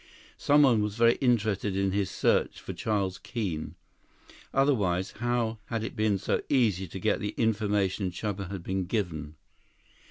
Someone was very interested in his search for Charles Keene. Otherwise, how had it been so easy to get the information Chuba had been given?